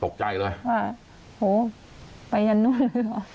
ตกใจเลยว่าโอ้โฮไปยังนู้นหรือ